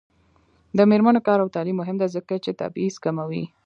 د میرمنو کار او تعلیم مهم دی ځکه چې تبعیض کموي.